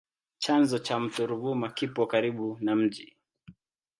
Chanzo cha mto Ruvuma kipo karibu na mji.